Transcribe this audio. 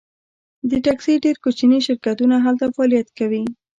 د ټکسي ډیر کوچني شرکتونه هلته فعالیت کوي